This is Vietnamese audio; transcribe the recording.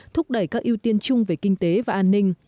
thúc đẩy các ưu tiên chung về kinh tế và an ninh